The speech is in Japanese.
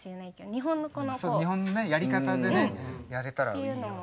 日本のやり方でねやれたらいいよね。